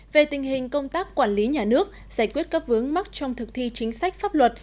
về tình hình công tác quản lý nhà nước giải quyết các vướng mắc trong thực thi chính sách pháp luật